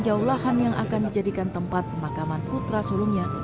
jauh lahan yang akan dijadikan tempat pemakaman putra sulungnya